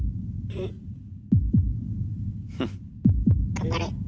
頑張れ。